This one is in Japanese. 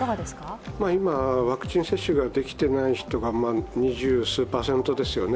今、ワクチン接種ができていない人が二十数パーセントですよね。